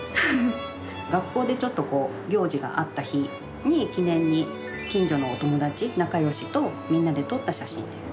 学校でちょっと行事があった日に記念に近所のお友達仲よしとみんなで撮った写真です。